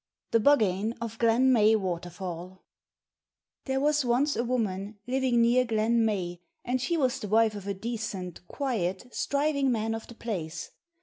THE BUGGANE OF GLEN MEAY WATERFALL There was once a woman living near Glen Meay, and she was the wife of a decent, quiet, striving man of the place.